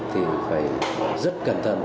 thì phải rất cẩn thận